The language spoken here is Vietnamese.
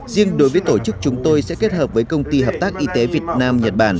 riêng đối với tổ chức chúng tôi sẽ kết hợp với công ty hợp tác y tế việt nam nhật bản